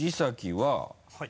はい。